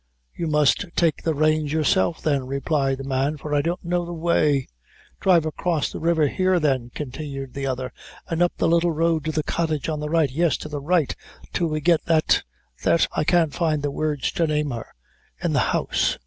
"You must take the reins yourself, then," replied the man, "for I don't know the way." "Drive across the river, here then," continued the other, "and up the little road to the cottage on the right; yes, to the right till we get that that I can't find words to name her in the house."